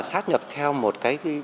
sát nhập theo một cái